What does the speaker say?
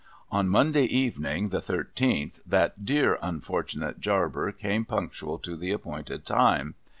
On Monday evening, the thirteenth, that dear unfortunate Jarber came, punctual to the appointed time.